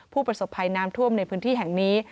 ผู้ประสบภัยน้ำท่วมในพื้นที่แห่งนี้